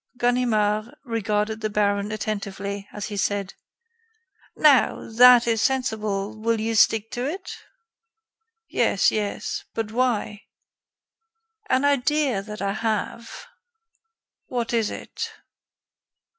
Ganimard regarded the baron attentively, as he said: "Now, that is sensible. Will you stick to it?" "Yes, yes. But why?" "An idea that I have." "What is it?"